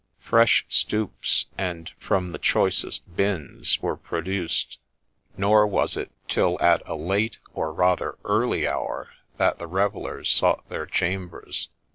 Fresh stoups, and from the choicest bins, were produced ; nor was it till at a late, or rather early hour, that the revellers sought their chambers.